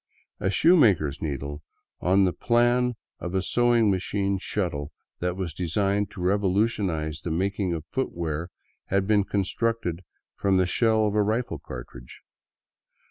A shoemaker's needle, on the plan of a sewing machine shuttle, that was designed to revolutionize the making of footwear, had been constructed from the shell of a rifle cartridge.